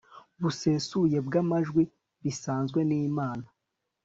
busesuye bw amajwi bisanzwe n inama